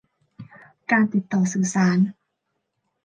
การติดต่อสื่อสาร